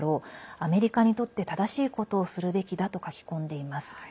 アメリカにとって正しいことをするべきだと書き込んでいます。